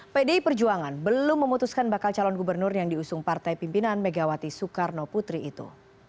pdi perjuangan belum memutuskan bakal calon gubernur yang diusung partai pimpinan megawati soekarno putri itu